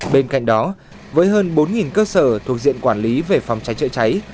bên cạnh đó với hơn bốn cơ sở thuộc diện quản lý về phòng cháy chữa cháy